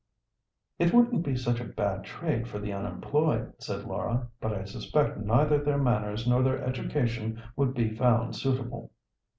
"It wouldn't be such a bad trade for the unemployed," said Laura; "but I suspect neither their manners nor their education would be found suitable."